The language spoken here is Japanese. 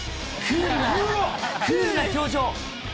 クールな表情。